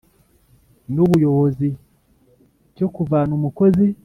nu buyobozi cyo kuvana umukozi